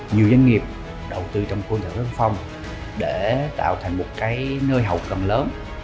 nhiều doanh nghiệp đầu tư trong khu lĩnh thuẩy phong để tạo thành một nơi hậu cận lớn